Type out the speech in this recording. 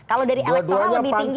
kalau dari elektoral lebih tinggi